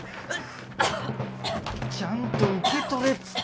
ちゃんと受け取れっつったろ？